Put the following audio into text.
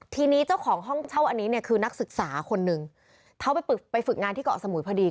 ทีนี้เจ้าของห้องเช่าอันนี้เนี่ยคือนักศึกษาคนหนึ่งเขาไปฝึกไปฝึกงานที่เกาะสมุยพอดี